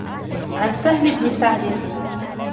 عَنْ سَهْلِ بْنِ سَعْدٍ